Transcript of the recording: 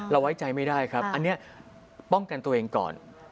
ไว้ใจไม่ได้ครับอันนี้ป้องกันตัวเองก่อน